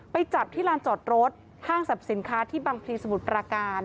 จับที่ลานจอดรถห้างสรรพสินค้าที่บังพลีสมุทรปราการ